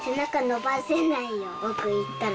伸ばせないよ。